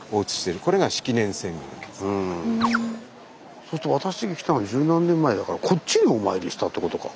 そうすると私が来たの十何年前だからこっちにお参りしたってことか。